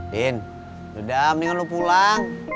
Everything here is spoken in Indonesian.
din udah mendingan lo pulang